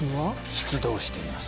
出動しています